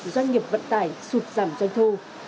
doanh nghiệp vận tải sụt giảm doanh thu